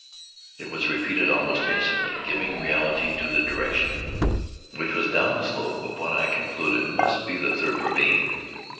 It was repeated almost instantly, giving reality to the direction, which was down the slope of what I concluded must be the third ravine.